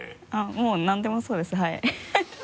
もうなんでもそうですはい